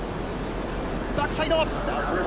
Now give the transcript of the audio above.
バックサイド。